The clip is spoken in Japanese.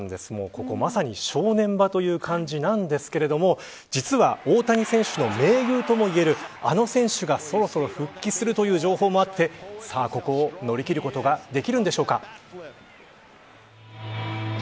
ここまさに正念場という感じなんですけど実は、大谷選手の盟友ともいえるあの選手が、そろそろ復帰するという情報もあってここを乗り切ることができるんでしょうか。